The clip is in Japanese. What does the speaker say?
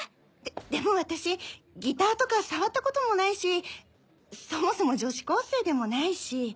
ででも私ギターとか触ったこともないしそもそも女子高生でもないし。